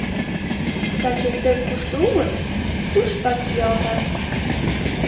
Таче тек кушто улыт, туштак киялтат.